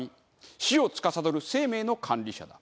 死をつかさどる生命の管理者だ。